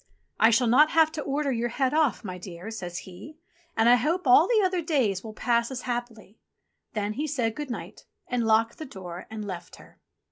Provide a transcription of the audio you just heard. "I shall not have to order your head ofi", my dear," says he. "And I hope all the other days will pass as happily." Then he said good night and locked the door and left her.